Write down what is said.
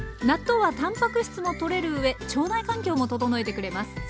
納豆はたんぱく質もとれる上腸内環境も整えてくれます。